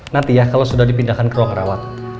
nanti ya kalau sudah dipindahkan ke ruang rawat